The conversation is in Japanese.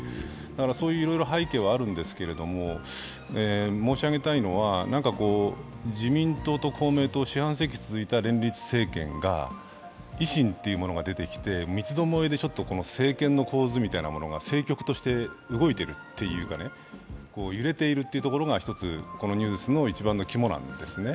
そういういろいろ背景はあるんですけど、申し上げたいのは、自民党と公明党四半世紀続いた連立政権が、維新というものが出てきて三つどもえで政権の構図みたいなものが政局として動いているというかね、揺れているというところが一つ、このニュースの一番の肝なんですよね。